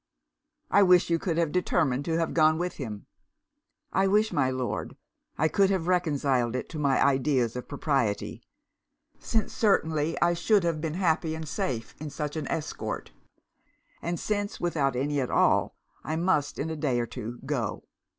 'I wish you could have determined to have gone with him.' 'I wish, my Lord, I could have reconciled it to my ideas of propriety; since certainly I should have been happy and safe in such an escort; and since, without any at all, I must, in a day or two, go.'